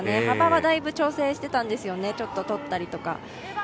幅はだいぶ調整してたんですよね、ちょっと取ったりとか。